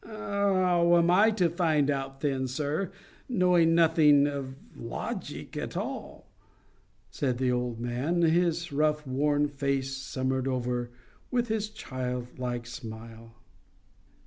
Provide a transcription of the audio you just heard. "How am I to find out then, sir—knowing nothing of logic at all?" said the old man, his rough worn face summered over with his child like smile.